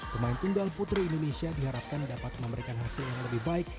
pemain tunggal putri indonesia diharapkan dapat memberikan hasil yang lebih baik